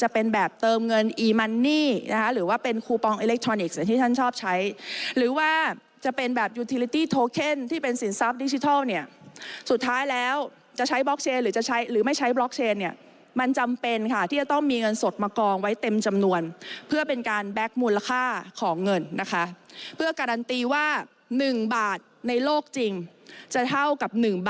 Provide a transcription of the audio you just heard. เพื่อการันตีว่าหนึ่งบาทในโลกจริงจะเท่ากับหนึ่งบาทดิจิทัล